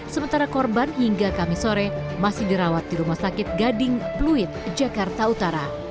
sementara korban hingga kamis sore masih dirawat di rumah sakit gading pluit jakarta utara